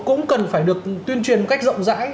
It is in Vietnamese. cũng cần phải được tuyên truyền một cách rộng rãi